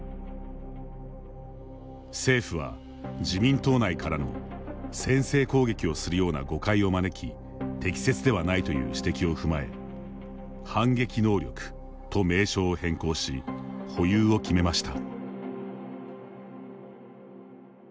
政府は、自民党内からの先制攻撃をするような誤解を招き適切ではないという指摘を踏まえ反撃能力と名称を変更し保有を決めました。